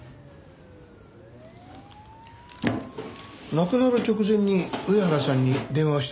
亡くなる直前に上原さんに電話をしてますよね？